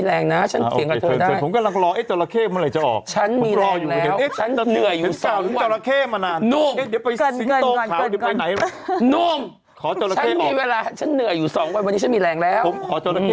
แล้วเมื่อไหร่อยากจอลาเค่จะออกสักทีแล้วครับกำลังจะออก